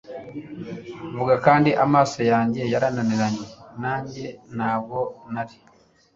Vuga kandi amaso yanjye yarananiranye nanjye ntabwo nari